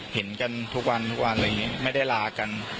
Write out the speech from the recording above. เห็นกันทุกวันไม่ได้ลากัน